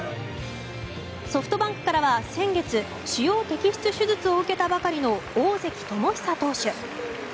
ソフトバンクからは先月、腫瘍摘出手術を受けたばかりの大関友久選手。